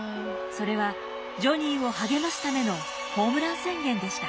それはジョニーを励ますためのホームラン宣言でした。